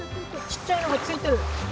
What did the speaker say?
ちっちゃいのが付いてる！